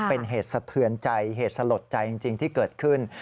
เป็นเหตุสะเทือนใจเหตุสลดใจจริงที่เกิดขึ้น